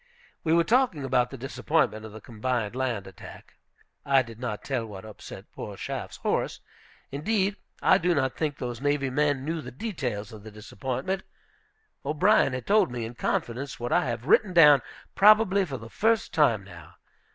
We were talking about the disappointment of the combined land attack. I did not tell what upset poor Schaff's horse; indeed, I do not think those navy men knew the details of the disappointment. O'Brien had told me, in confidence, what I have written down probably for the first time now.